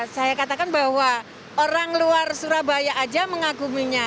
saya katakan bahwa orang luar surabaya aja mengaguminya